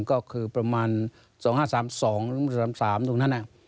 ก็คือประมาณ๒๕๓๒๓๓ตรงนั้น